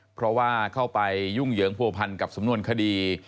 เพราะว่าเข้าไปยุ่งเยืองภูมิภัณฑ์กับสำนวนคดี